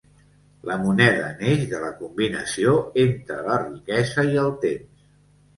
La moneda neix de la combinació entre la riquesa i el temps.